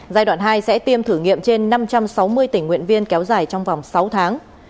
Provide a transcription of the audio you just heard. giai đoạn hai sẽ tiêm thử nghiệm trên năm trăm sáu mươi tình nguyện viên kéo dài trong vòng sáu tháng